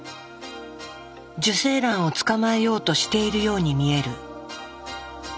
受精卵を捕まえようとしているように見える。